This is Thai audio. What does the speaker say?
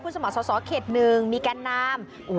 สมัครสอบเขต๑มีแกนนำ